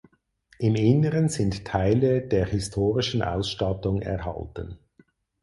Im Inneren sind Teile der historischen Ausstattung erhalten.